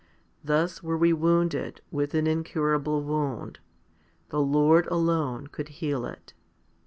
Thus were we wounded with an incurable wound ; the Lord alone could heal it.